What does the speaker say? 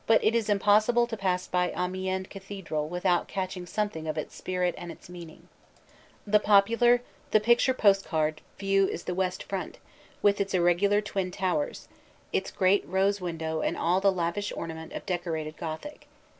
But it is impossible to pass by Amiens cathedral without catching something of its spirit and its meaning. The popular, the picture postcard, view is the west front, with its irregular twin towers, its great rose window and all the lavish ornament of decorated Gothic.